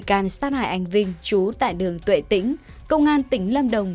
cơ quan xác hại anh vinh trú tại đường tuệ tĩnh công an tỉnh lâm đồng